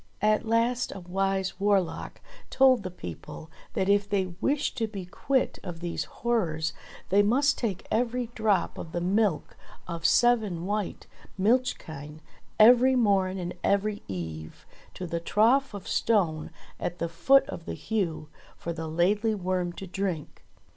At last a wise warlock told the people that if they wished to be quit of these horrors, they must take every drop of the milk of seven white milch kine every morn and every eve to the trough of stone at the foot of the Heugh, for the Laidly Worm to drink.